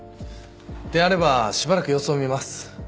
であればしばらく様子をみます。